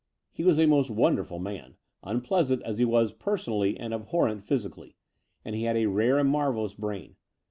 He was a most wonderful man, tmpleasant as he was personally and abhorrent physically; and he had a rare and marvellous brain.